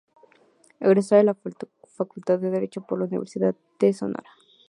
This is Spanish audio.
Egresada de la Facultad de Derecho por la Universidad de Sonora.